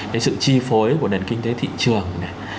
cái sự chi phối của nền kinh tế thị trường này